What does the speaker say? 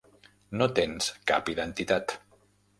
No tens cap identitat.